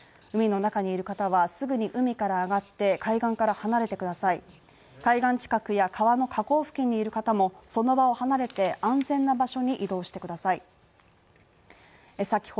海の中にいる方はすぐに海から上がって、海岸から離れてください、海岸近くや川の河口付近にいる方も、その場を離れて、安全な場所に移動してください。